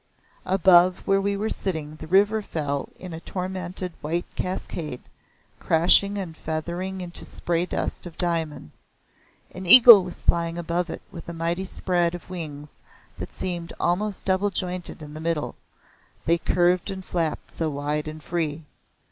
Above where we were sitting the river fell in a tormented white cascade, crashing and feathering into spray dust of diamonds. An eagle was flying above it with a mighty spread of wings that seemed almost double jointed in the middle they curved and flapped so wide and free.